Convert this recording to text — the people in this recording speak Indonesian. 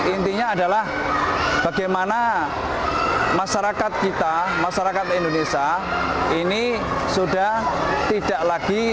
intinya adalah bagaimana masyarakat kita masyarakat indonesia ini sudah tidak lagi